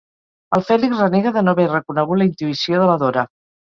El Fèlix renega de no haver reconegut la intuïció de la Dora.